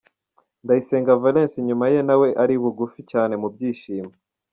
Ndayisenga Valens inyuma ye nawe ari bugufi cyane mu byishimo.